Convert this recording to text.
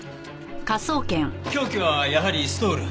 凶器はやはりストール。